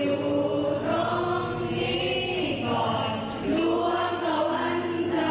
กลับมาให้เป็นเสียงถึงความเฮียงดัน